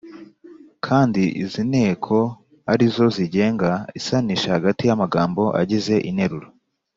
kandi izi nteko ari zo zigenga isanisha hagati y’amagambo agize interuro.